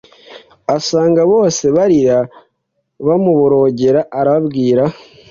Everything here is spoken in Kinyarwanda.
Asanga bose barira bamuborogera Arababwira